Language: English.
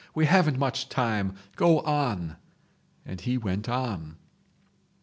We haven't much time! Go on!' and he went on